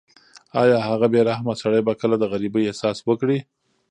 ایا هغه بې رحمه سړی به کله د غریبۍ احساس وکړي؟